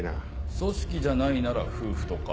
組織じゃないなら夫婦とか。